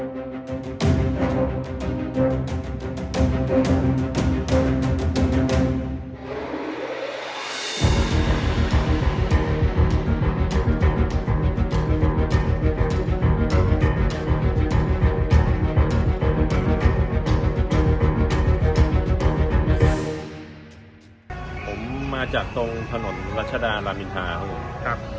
ผมมาจากตรงถนนรัชดารามินทาครับผมครับ